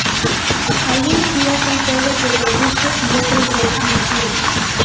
Algunos días son fuegos de concurso y otros de exhibición.